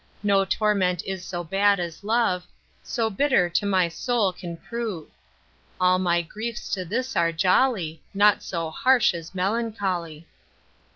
No torment is so bad as love, So bitter to my soul can prove. All my griefs to this are jolly, Naught so harsh as melancholy.